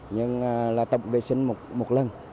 nhưng là tổng vệ sinh một lần